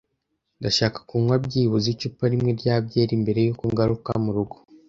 Ndashaka kunywa byibuze icupa rimwe rya byeri mbere yuko ngaruka murugo.